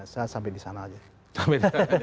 saya sampai di sana aja